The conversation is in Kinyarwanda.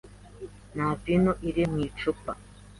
Nta vino iri muri icupa.